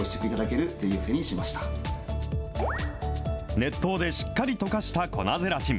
熱湯でしっかり溶かした粉ゼラチン。